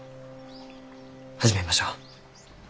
始めましょう。